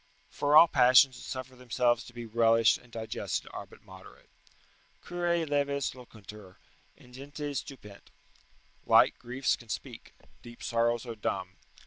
] For all passions that suffer themselves to be relished and digested are but moderate: "Curae leves loquuntur, ingentes stupent." ["Light griefs can speak: deep sorrows are dumb."